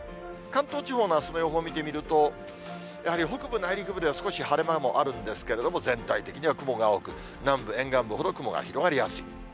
関東地方のあすの予報を見てみると、やはり北部内陸部では少し晴れ間もあるんですけれども、全体的には雲が多く、南部、沿岸部ほど、雲が広がりやすい。